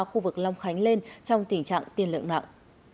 khu vực long khánh lên trong tình trạng tiên lượng nặng